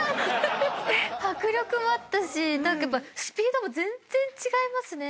迫力もあったしスピードも全然違いますね。